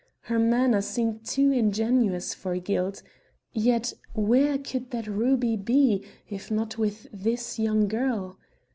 Her manner seemed too ingenuous for guilt. Yet where could that ruby be, if not with this young girl?